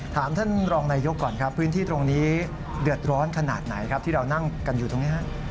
ท่านรองนายกก่อนครับพื้นที่ตรงนี้เดือดร้อนขนาดไหนครับที่เรานั่งกันอยู่ตรงนี้ฮะ